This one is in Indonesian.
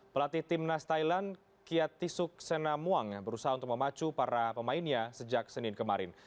pelatih tim nas thailand kiatisuk senamuang berusaha untuk memacu para pemainnya sejak senin kemarin